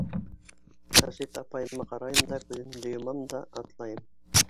Асет апайыма ҡарайым да, күҙемде йомам да, атлайым.